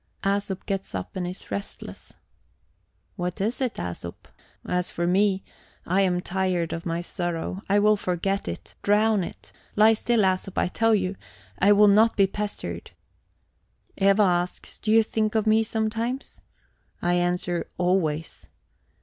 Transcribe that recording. Æsop gets up and is restless. "What is it, Æsop? As for me, I am tired of my sorrow; I will forget it, drown it. Lie still, Æsop, I tell you; I will not be pestered. Eva asks: 'Do you think of me sometimes?' I answer: 'Always.'